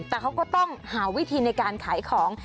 แต่เขาก็ต้องหาวิธีในการขายของ